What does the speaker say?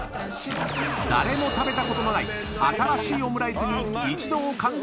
［誰も食べたことのない新しいオムライスに一同感動］